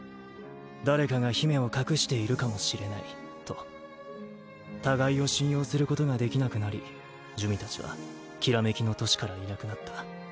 誰かが姫を隠しているかもしれないと互いを信用することができなくなり珠魅たちは煌めきの都市からいなくなった。